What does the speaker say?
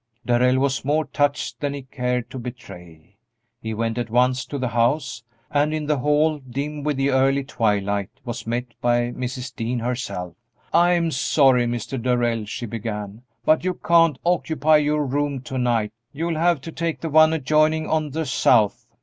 Darrell was more touched than he cared to betray. He went at once to the house, and in the hall, dim with the early twilight, was met by Mrs. Dean herself. "I'm sorry, Mr. Darrell," she began, "but you can't occupy your room to night; you'll have to take the one adjoining on the south.